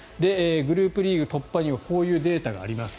グループリーグ突破にはこういうデータがあります。